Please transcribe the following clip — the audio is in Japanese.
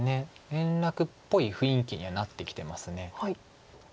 連絡っぽい雰囲気にはなってきてます。